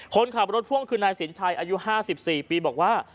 คนขับรถพ่วงคือนายสินชัยอายุ๕๔ปีบอกว่า